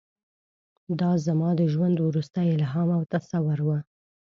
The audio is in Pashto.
دا زما د ژوند وروستی الهام او تصور و.